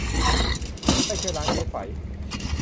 ไม่ใช่ร้านเจ๊ไฝ